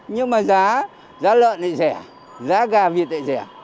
nhưng mà giá lợn thì rẻ giá gà việt thì rẻ